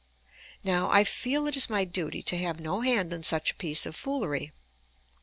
Now, I feel it is my duty to have no hand in such a piece of foolery.